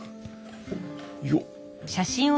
よっ。